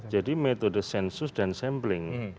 jadi metode sensus dan sampling